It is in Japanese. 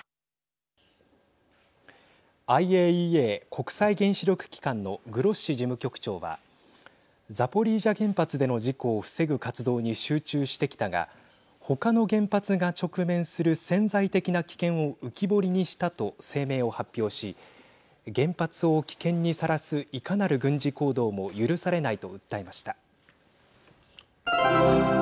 ＩＡＥＡ＝国際原子力機関のグロッシ事務局長はザポリージャ原発での事故を防ぐ活動に集中してきたが他の原発が直面する潜在的な危険を浮き彫りにしたと声明を発表し原発を危険にさらすいかなる軍事行動も許されないと訴えました。